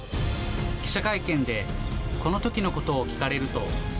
記者会見でこのときのことを聞かれると。